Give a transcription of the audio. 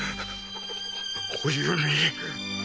お弓。